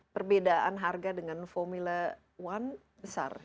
perbedaan harga dengan formula one besar